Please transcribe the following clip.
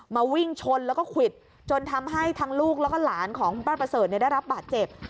มาวิ่งชนแล้วก็ควิดจนทำให้ทั้งลูกแล้วก็หลานของคุณป้าประเสริฐได้รับบาดเจ็บ